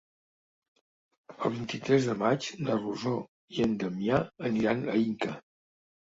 El vint-i-tres de maig na Rosó i en Damià aniran a Inca.